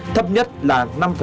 thấp nhất là năm ba